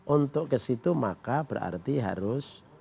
untuk kesitu maka berarti harus